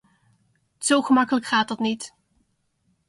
Zo gemakkelijk gaat dat niet.